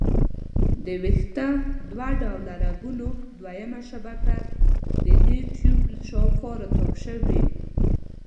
د ویښته ډوله رګونو دویمه شبکه د دې ټیوب شاوخوا را تاو شوي.